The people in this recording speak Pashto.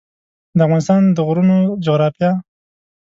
د افغانستان د غرونو جغرافیه